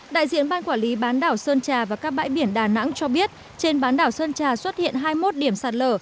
đại diện ban quản lý bán đảo sơn trà và các bãi biển đà nẵng cho biết trên bán đảo sơn trà xuất hiện hai mươi một điểm sạt lở